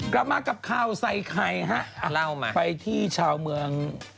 กลับมากับข่าวใส่ไข่ฮะไปที่ชาวเมือง